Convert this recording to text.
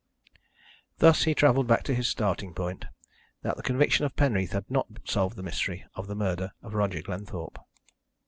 Thus he travelled back to his starting point, that the conviction of Penreath had not solved the mystery of the murder of Roger Glenthorpe.